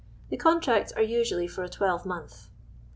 The contracts are usually for a twelvemonth.